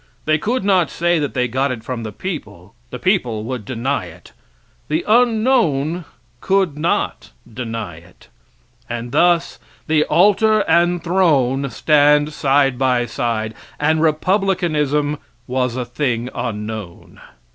They could not say that they got it from the people; the people would deny it; the unknown could not deny it. And thus the altar and throne stand side by side. And republicanism was a thing unknown.